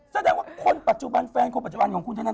แสดงว่าคนปัจจุบันแฟนคนปัจจุบันของคุณธนัน